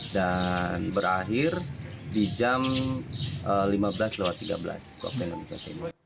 dan berakhir di jam lima belas tiga belas waktu indonesia timur